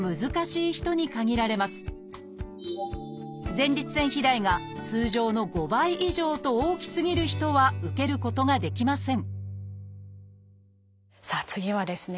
前立腺肥大が通常の５倍以上と大きすぎる人は受けることができませんさあ次はですね